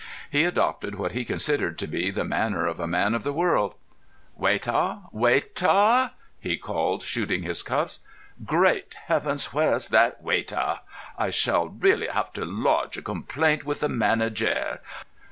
He adopted what he considered to be the manner of a man of the world. "Waitah, waitah!" he called, shooting his cuffs. "Great heaven, where's that waitah! I shall really have to lodge a complaint with the manager.